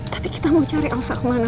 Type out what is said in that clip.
tapi kita mau cari alsa kemana